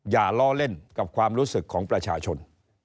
อย่าล้อเล่นกับความรู้สึกของประชาชน